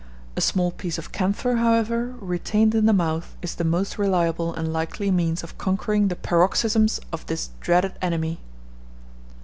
A small piece of camphor, however, retained in the mouth, is the most reliable and likely means of conquering the paroxysms of this dreaded enemy.